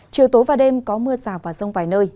chiều tối và đêm có mưa rào và rông vài nơi